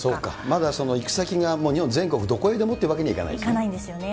まだその行き先が日本全国どこへでもっていうわけにはいかないんですね。